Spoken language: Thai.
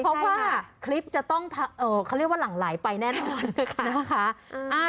เพราะว่าคลิปจะต้องเขาเรียกว่าหลั่งไหลไปแน่นอนนะคะ